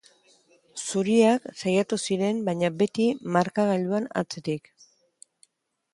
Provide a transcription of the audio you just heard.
Zuriak saiatu ziren, baina beti markagailuan atzetik.